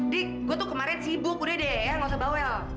dik gua tuh kemarin sibuk udah deh gausah bawel